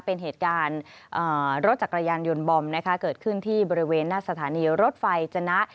เป็นเหตุการณ์รถจักรยานยนต์บอมนะคะเกิดขึ้นที่บริเวณหน้าสถานีรถไฟจนะ